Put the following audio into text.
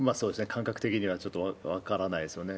感覚的には、ちょっと分からないですよね。